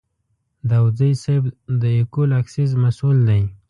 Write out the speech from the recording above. داوودزی صیب د اکول اکسیس مسوول دی.